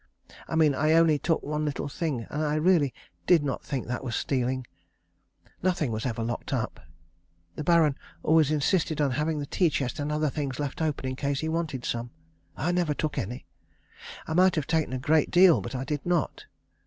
I mean I only took one little thing, and I really did not think that was stealing. Nothing was ever locked up. The Baron always insisted on having the tea chest and other things left open in case he wanted some. I never took any. I might have taken a great deal, but I did not.